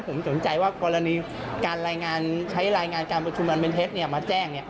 ผมสนใจว่ากรณีการรายงานใช้รายงานการประชุมอันเป็นเท็จมาแจ้ง